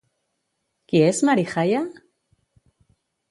Qui és Mari Jaia?